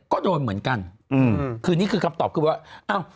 ก็โดนเหมือนกันคือนี่คือการตอบคือว่า